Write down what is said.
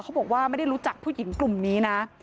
เขาบอกว่าไม่ได้รู้จักผู้หญิงกลุ่มนี้นะ